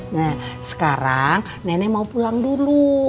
nah sekarang nenek mau pulang dulu